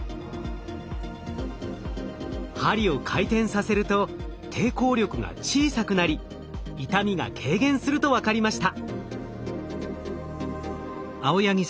針を回転させると抵抗力が小さくなり痛みが軽減すると分かりました。